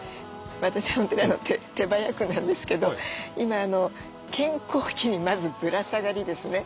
私本当に手早くなんですけど今健康器にまずぶら下がりですね